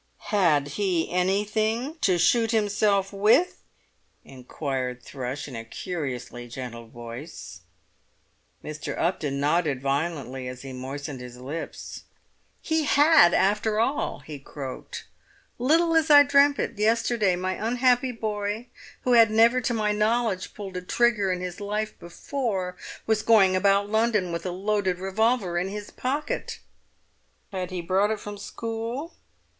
"Had he anything to shoot himself with?" inquired Thrush, in a curiously gentle voice. Mr. Upton nodded violently as he moistened his lips. "He had, after all!" he croaked. "Little as I dreamt it yesterday, my unhappy boy, who had never to my knowledge pulled a trigger in his life before, was going about London with a loaded revolver in his pocket!" "Had he brought it from school?"